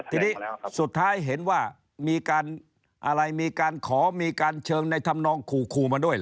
ทีนี้สุดท้ายเห็นว่ามีการอะไรมีการขอมีการเชิงในธรรมนองขู่มาด้วยเหรอ